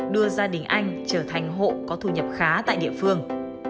đưa gia đình anh trở thành hộ có thu nhập khá tại địa phương